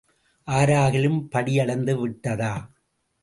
ஆராகிலும் படி அளந்து விட்டதா?